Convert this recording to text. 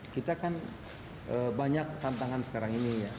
kita kan banyak tantangan sekarang ini ya